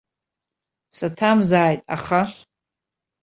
Саҭамзааит, аха?